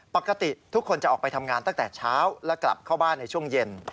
ปกติทุกคนจะออกไปทำงานตั้งแต่เช้าและกลับเข้าบ้านในช่วงเย็น